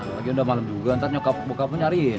lagi udah malem juga ntar nyokap bokapnya nyariin